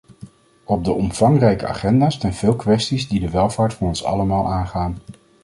Op de omvangrijke agenda staan veel kwesties die de welvaart van ons allemaal aangaan.